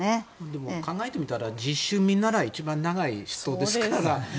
でも考えてみたら実習見習いが一番長い人ですから。